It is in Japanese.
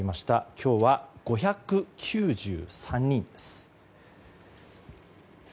今日は５９３人です。